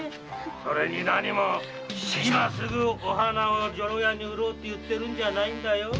それに何も今すぐお花を女郎屋に売ろうっていうんじゃないんだよ。